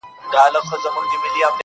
• ستوري ډېوه سي ،هوا خوره سي.